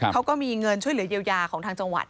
เขาก็มีเงินช่วยเหลือเยียวยาของทางจังหวัด